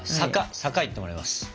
坂行ってもらいます。